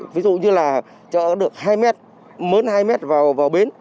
ví dụ như là chợ được hai mét mớn hai mét vào bến